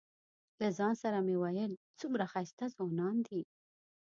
له ځان سره مې ویل څومره ښایسته ځوانان دي.